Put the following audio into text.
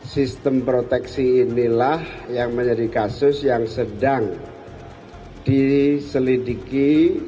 sistem proteksi inilah yang menjadi kasus yang sedang diselidiki